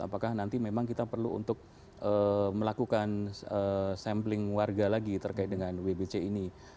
apakah nanti memang kita perlu untuk melakukan sampling warga lagi terkait dengan wbc ini